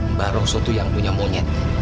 mbah rosok tuh yang punya monyet